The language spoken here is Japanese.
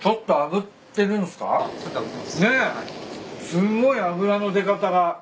すんごい脂の出方が。